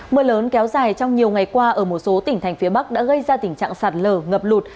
mưa lớn kéo dài trong nhiều ngày qua ở một số tỉnh thành phía bắc đã gây ra tình trạng sạt lở ngập lụt